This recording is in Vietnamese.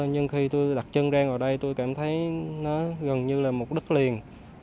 nhưng khi tôi đặt chân ra ngồi đây tôi cảm thấy nó gần như là một đất liền